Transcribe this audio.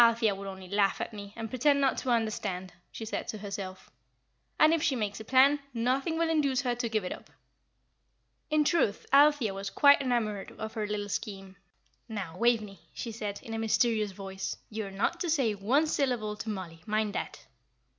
"Althea would only laugh at me, and pretend not to understand," she said to herself; "and if she makes a plan, nothing will induce her to give it up." In truth Althea was quite enamoured of her little scheme. "Now, Waveney," she said, in a mysterious voice, "you are not to say one syllable to Mollie, mind that!"